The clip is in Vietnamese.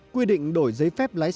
quy định đổi giấy phép lái xe